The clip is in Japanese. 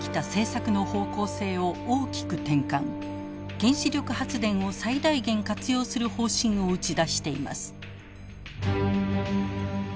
原子力発電を最大限活用する方針を打ち出しています。